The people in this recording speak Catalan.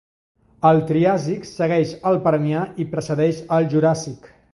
El Triàsic segueix el Permià i precedeix el Juràssic.